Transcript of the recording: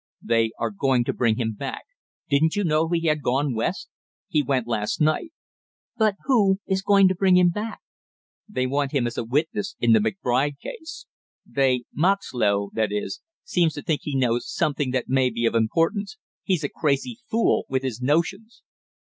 "They are going to bring him back; didn't you know he had gone West? He went last night." "But who is going to bring him back?" "They want him as a witness in the McBride case. They Moxlow, that is seems to think he knows something that may be of importance. He's a crazy fool, with his notions!"